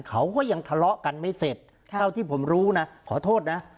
เขาก็ยังทะเลาะกันไม่เสร็จเท่าที่ผมรู้นะขอโทษนะ